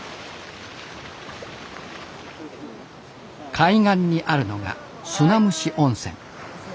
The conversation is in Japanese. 海岸にあるのが砂むし温泉。